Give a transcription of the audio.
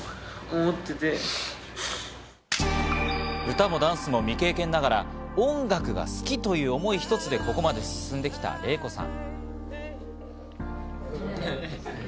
歌もダンスも未経験ながら、音楽が好きという思い一つでここまで進んできたレイコさん。